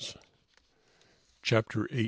Chapter 18.